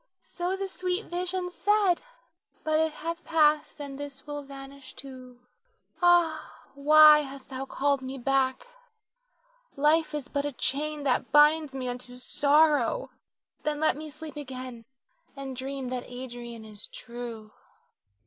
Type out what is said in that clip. So the sweet vision said, but it hath passed, and this will vanish too. Ah, why hast thou called me back? Life is but a chain that binds me unto sorrow, then let me sleep again and dream that Adrian is true.